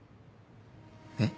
えっ。